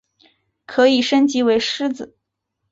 可以升级为狮子。